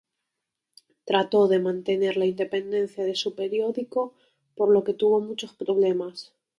Trató de mantener la independencia de su periódico, por lo que tuvo muchos problemas.